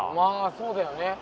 そうだよね